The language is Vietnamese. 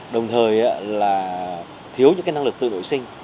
đồng thời là thiếu những năng lực tự vệ sinh